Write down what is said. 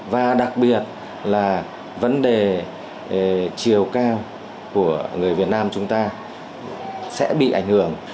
và đặc biệt là vấn đề chiều cao của người việt nam chúng ta sẽ bị ảnh hưởng